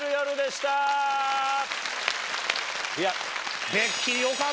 いや。